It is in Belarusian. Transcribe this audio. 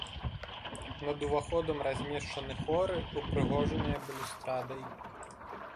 Над уваходам размешчаны хоры, упрыгожаныя балюстрадай.